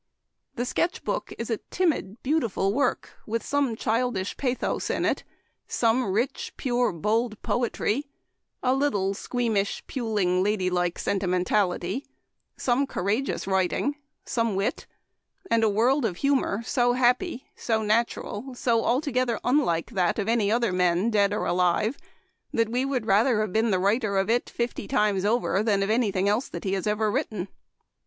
..." The Sketch Book is a timid, beautiful work, with some childish pathos in it, some rich, pure, bold poetry, a little squeamish, puling, lady like sentimentality, some courageous writing, some wit, and a world of humor so happy, so natural, so altogether unlike that of any other men, dead or alive, that we would rather have been the Memoir of Washington Irving. 143 writer of it fifty times over than of any thing else that he has ever written.